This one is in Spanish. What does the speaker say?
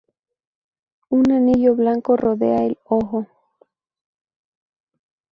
Un anillo blanco rodea el ojo.